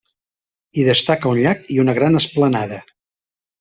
Hi destaca un llac i una gran esplanada.